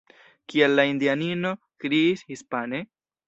Kial la indianino kriis hispane?